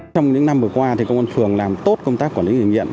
trong những năm vừa qua thì công an phường làm tốt công tác quản lý người nghiện